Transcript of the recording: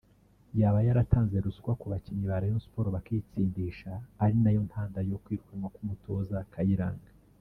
yaba yaratanze ruswa ku bakinnyi ba Rayon Sport bakitsindisha ari na yo ntandaro yo kwirukanwa k’umutoza Kayiranga